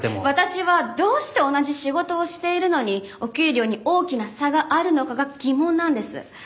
私はどうして同じ仕事をしているのにお給料に大きな差があるのかが疑問なんです。